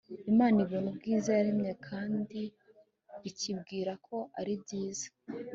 imana ibona ubwiza yaremye kandi ikibwira ko ari byiza